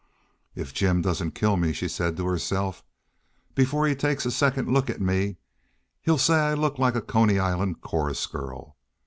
"If Jim doesn't kill me," she said to herself, "before he takes a second look at me, he'll say I look like a Coney Island chorus girl.